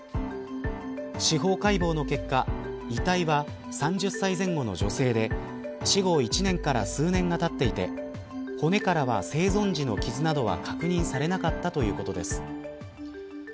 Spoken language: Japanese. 司法解剖の結果、遺体は３０歳前後の女性で死後１年から数年がたっていて骨からは生存時の傷などは確認されなかったということです。